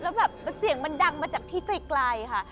แล้วแบบเสียงมันดังมาจากที่ไกลค่ะ